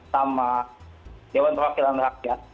sama dewan perwakilan rakyat